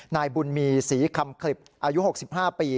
นายบุญมีศรีคำคลิบอายุ๖๕ปี